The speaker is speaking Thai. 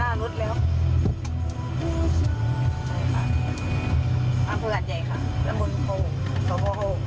ท่านไม่พิสัยด้วย